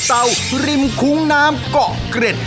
เตาริมคุ้งน้ำเกาะเกร็ด